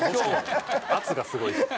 圧がすごいです。